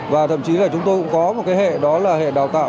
và thậm chí là chúng tôi cũng có một cái hệ đó là hệ đào tạo